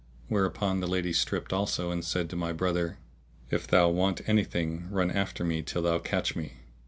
Whereupon the lady stripped also and said to my brother, "If thou want anything run after me till thou catch me."